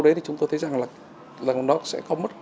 đấy chúng tôi thấy rằng nó sẽ không mất